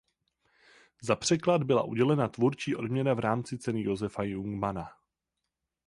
Za překlad byla udělena tvůrčí odměna v rámci Ceny Josefa Jungmanna.